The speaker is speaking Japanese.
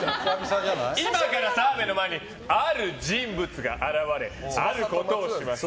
今から澤部の前にある人物が現れあることをします。